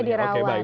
nah itu jadi rawan